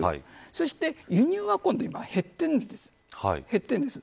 そして輸入は今度は減っているんです。